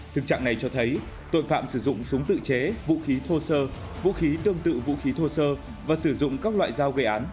thực trạng này cho thấy tội phạm sử dụng súng tự chế vũ khí thô sơ vũ khí tương tự vũ khí thô sơ và sử dụng các loại dao gây án